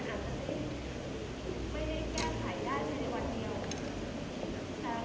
สวัสดีครับสวัสดีครับ